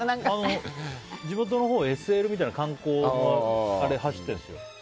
地元のほうにＳＬみたいな観光のやつが走ってるんですよ。